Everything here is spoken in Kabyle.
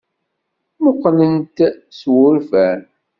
Mmuqqlen-t s wurfan.